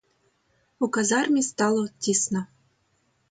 У казармі стало тісно.